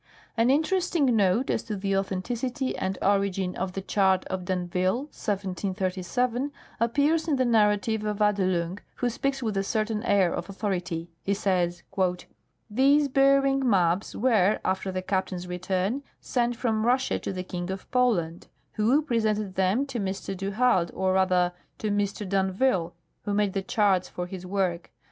An interesting note as to the authenticity and origin of the '216 General A. W. Greely — Bering'' s First Voyage. chart of d'Aiiville, 1737, appears in the narrative of Adelung, who speaks with a certain air of authority. He says : "These Beering maps were, after the captain's return, sent from Russia to the King of Poland, who presented them to Mr. du Halde or, rather, to Mr. d'Anville, who made the charts for his work.